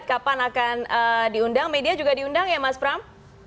kapan akan diundang media juga diundang ya mas pram